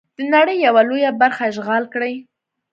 د نړۍ یوه لویه برخه اشغال کړي.